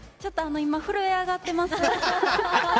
今、震え上がっています。